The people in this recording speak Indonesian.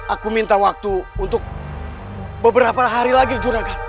aku minta waktu untuk beberapa hari lagi jurnakan